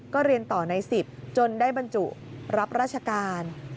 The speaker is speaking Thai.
ก็เรียนต่อใน๑๐จนได้บรรจุรับราชการ